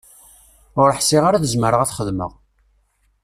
Ur ḥsiɣ ara ad zemreɣ ad t-xedmeɣ.